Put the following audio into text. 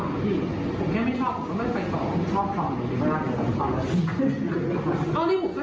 อ้าวนี่ผมก็ตั้งคลิปแล้ว